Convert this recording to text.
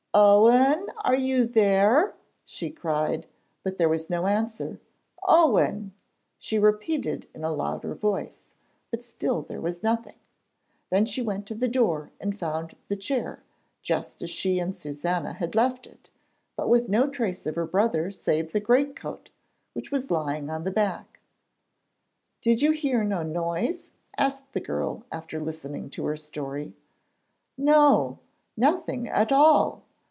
'Owen, are you there?' she cried, but there was no answer. 'Owen!' she repeated in a louder voice, but still there was nothing. Then she went to the door and found the chair just as she and Susannah had left it, but with no trace of her brother save the greatcoat which was lying on the back. 'Did you hear no noise?' asked the girl, after listening to her story. 'No; nothing at all.